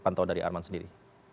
pantau dari arman sendiri